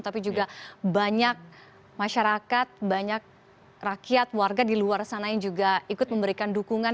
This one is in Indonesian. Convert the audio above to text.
tapi juga banyak masyarakat banyak rakyat warga di luar sana yang juga ikut memberikan dukungan